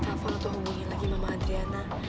tapi tapi coba telpon atau hubungin lagi mama adriana